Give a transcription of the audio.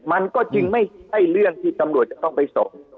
มันก็จึงไม่ใช่เรื่องที่ตำรวจจะต้องไปส่ง